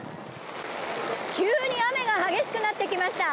急に雨が激しくなってきました。